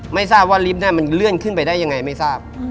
ไม่ทราบว่าลิฟต์มันเลื่อนขึ้นไปได้ยังไงไม่ทราบ